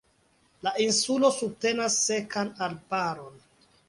La insulo subtenas sekan arbaron.